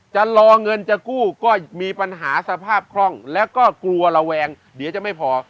จะรอเงินจะกู้ก็มีปัญหาสภาพคล่องแล้วก็กลัวระแวงเดี๋ยวจะไม่พอ